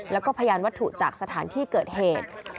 แล้วก็พยานวัตถุจากสถานที่เกิดเหตุ